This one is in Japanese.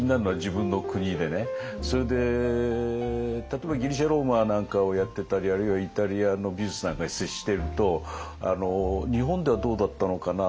例えばギリシャ・ローマなんかをやってたりあるいはイタリアの美術なんかに接していると日本ではどうだったのかな？